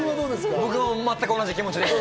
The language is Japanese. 僕も全く同じ気持ちです。